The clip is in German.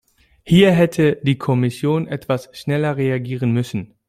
Hier hätte die Kommission etwas schneller reagieren müssen.